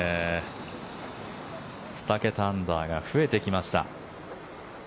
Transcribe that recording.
２桁アンダーが増えてきました。